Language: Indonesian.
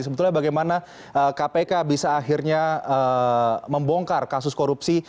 sebetulnya bagaimana kpk bisa akhirnya membongkar kasus korupsi